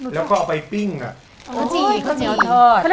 แล้วก็เอาไปปิ้งอะ